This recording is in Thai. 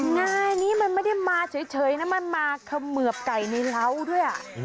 งานนี้มันไม่ได้มาเฉยนะมันมาเขมือบไก่ในเล้าด้วย